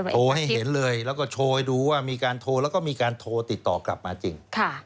ให้เห็นเลยแล้วก็โชว์ให้ดูว่ามีการโทรแล้วก็มีการโทรติดต่อกลับมาจริง